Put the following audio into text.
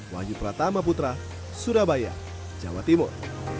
wahyu pratama putra surabaya jawa timur